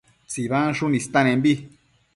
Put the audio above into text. tsibansshun istanembi